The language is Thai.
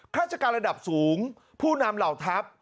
ราชการระดับสูงผู้นำเหล่าทัพ